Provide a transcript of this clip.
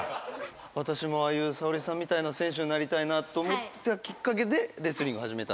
「私もああいう沙保里さんみたいな選手になりたいなと思ったきっかけでレスリングを始めた？」